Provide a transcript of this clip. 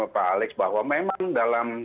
pak alex bahwa memang dalam